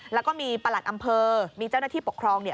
แล้วก็มีประหลัดอำเภอมีเจ้าหน้าที่ปกครองเนี่ย